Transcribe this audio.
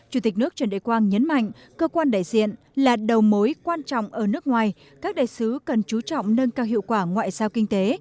chủ tịch nước trần đại quang nhấn mạnh cơ quan đại diện là đầu mối quan trọng ở nước ngoài các đại sứ cần chú trọng nâng cao hiệu quả ngoại giao kinh tế